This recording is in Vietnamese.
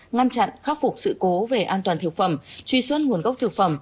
ngăn chặn khắc phục sự cố về an toàn thực phẩm truy xuất nguồn gốc thực phẩm